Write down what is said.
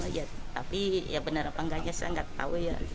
iya tapi ya bener apa nggaknya saya nggak tau ya